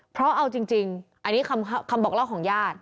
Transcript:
เพราะเอาจริงอันนี้คำบอกเล่าของญาติ